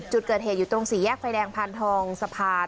จุดเกิดเหตุอยู่ตรงสี่แยกไฟแดงพานทองสะพาน